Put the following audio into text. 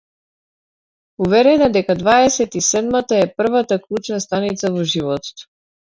Уверена дека дваесет и седмата е првата клучна станица во животот.